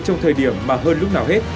trong thời điểm mà hơn lúc nào hết